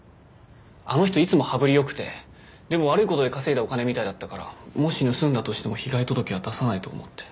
あの人いつも羽振り良くてでも悪い事で稼いだお金みたいだったからもし盗んだとしても被害届は出さないと思って。